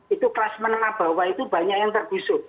itu kelas menengah bawah itu banyak yang terbusuk